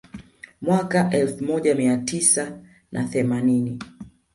Mwaka wa elfu moja mia tisa na themanini